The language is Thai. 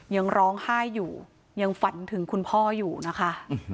ยังร้องไห้อยู่ยังฝันถึงคุณพ่ออยู่นะคะ